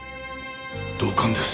同感です。